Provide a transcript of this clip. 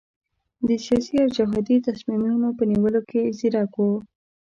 د سیاسي او جهادي تصمیمونو په نیولو کې ځیرک وو.